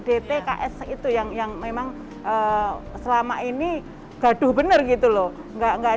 dt ks itu yang memang selama ini gaduh benar gitu loh